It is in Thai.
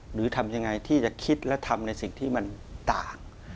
หรือทำยังไงที่จะคิดและทำในสิ่งที่มันต่าง